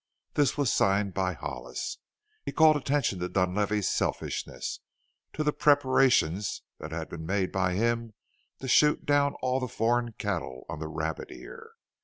This was signed by Hollis. He called attention to Dunlavey's selfishness, to the preparations that had been made by him to shoot down all the foreign cattle on the Rabbit Ear.